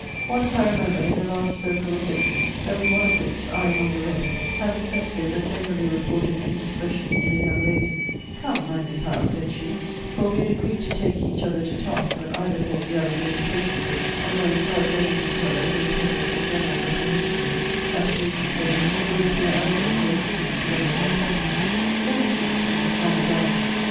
Once I remember, in a large circle of ladies, every one of which [I among the rest] having censured a generally reported indiscretion in a young lady Come, my Miss Howe, said she, [for we had agreed to take each other to task when either thought the other gave occasion for it; and when by blaming each other we intended a general reprehension, which, as she used to say, it would appear arrogant or assuming to level more properly,] let me be Miss Fanny Darlington.